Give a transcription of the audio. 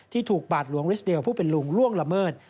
ที่ถูกบาทหลวงริสเดลผู้เป็นลุงล่วงละเมิด